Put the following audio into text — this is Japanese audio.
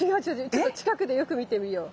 ちょっと近くでよく見てみよう。